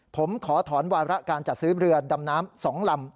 ผมขอถอนวาระการจัดซื้อเรือดำน้ำ๒ลำ